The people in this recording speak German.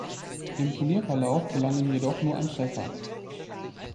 Im Turnierverlauf gelang ihm jedoch nur ein Treffer.